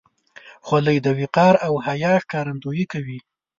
خولۍ د وقار او حیا ښکارندویي کوي.